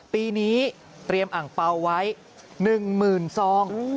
ปีนี้เตรียมอ่างเปล่าไว้๑หมื่นซอง